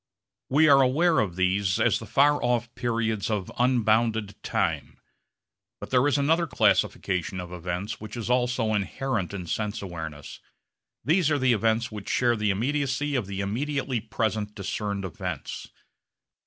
We are aware of these as the far off periods of unbounded time. But there is another classification of events which is also inherent in sense awareness. These are the events which share the immediacy of the immediately present discerned events.